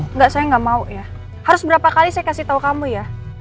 enggak saya nggak mau ya harus berapa kali saya kasih tahu kamu ya